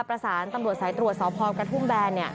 ประสานตำรวจสายตรวจสพกระทุ่มแบน